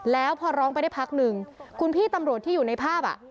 แล้วพอร้องไปได้พักหนึ่งคุณพี่ตำรวจที่อยู่ในภาพ